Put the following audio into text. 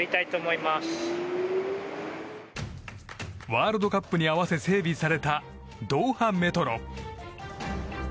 ワールドカップに合わせ整備されたドーハメトロ。